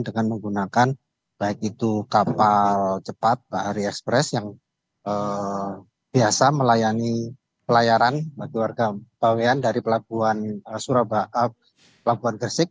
dengan menggunakan baik itu kapal cepat bahari express yang biasa melayani pelayaran bagi warga bawean dari pelabuhan gresik